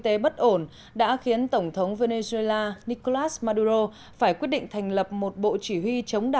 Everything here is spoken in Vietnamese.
tế bất ổn đã khiến tổng thống venezuela nicolás maduro phải quyết định thành lập một bộ chỉ huy